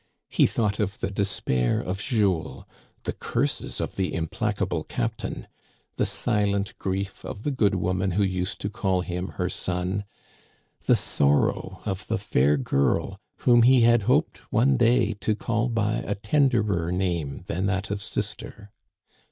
He thought of the despair of Jules, the curses of the implacable captain, the silent grief of the good woman who used to call him her son, the sorrow of the fair girl whom he had hoped one day to call by a ten derer name than that of sister.